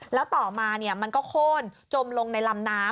แล้วต่อมามันก็โค้นจมลงในลำน้ำ